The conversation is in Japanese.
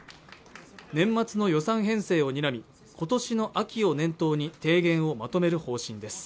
年末の予算編成をにらみ今年の秋を念頭に提言をまとめる方針です